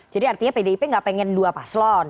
jadi artinya pdip gak pengen dua paslon